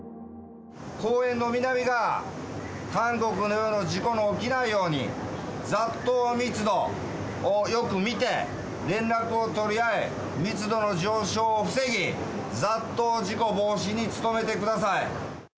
公園の南側、韓国のような事故が起きないように、雑踏密度をよく見て、連絡を取り合い、密度の上昇を防ぎ、雑踏事故防止に努めてください。